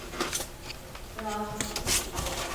Sağa kır!